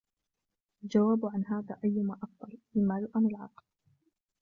الْجَوَابُ عَنْ هَذَا أَيُّمَا أَفْضَلُ الْمَالُ أَمْ الْعَقْلُ